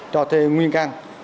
trò thê nguyên căn